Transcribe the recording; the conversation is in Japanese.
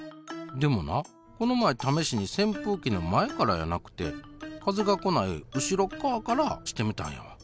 でもなこの前ためしにせんぷうきの前からやなくて風が来ない後ろっかわからしてみたんやわ。